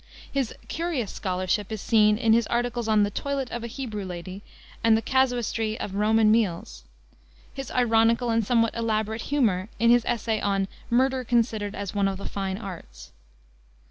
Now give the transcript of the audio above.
His curious scholarship is seen in his articles on the Toilet of a Hebrew Lady, and the Casuistry of Roman Meals; his ironical and somewhat elaborate humor in his essay on Murder Considered as One of the Fine Arts.